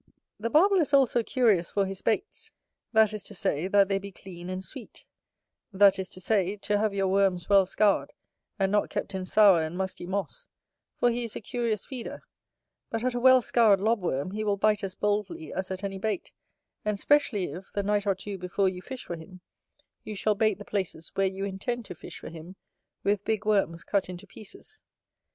The Barbel is also curious for his baits; that is to say, that they be clean and sweet; that is to say, to have your worms well scoured, and not kept in sour and musty moss, for he is a curious feeder: but at a well scoured lob worm he will bite as boldly as at any bait, and specially if, the night or two before you fish for him, you shall bait the places where you intend to fish for him, with big worms cut into pieces.